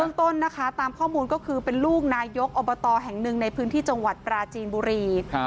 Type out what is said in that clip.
ต้นนะคะตามข้อมูลก็คือเป็นลูกนายกอบตแห่งหนึ่งในพื้นที่จังหวัดปราจีนบุรี